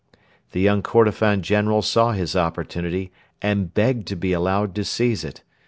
The young Kordofan general saw his opportunity, and begged to be allowed to seize it.